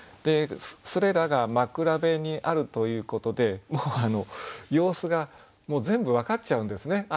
それらが「枕辺」にあるということでもう様子が全部分かっちゃうんですね。